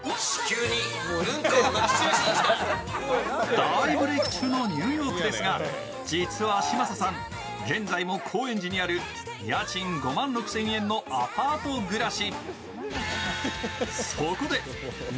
大ブレーク中のニューヨークですが、実は嶋佐さん、現在も高円寺にある家賃５万６０００円のアパート暮らし。